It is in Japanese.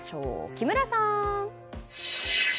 木村さん！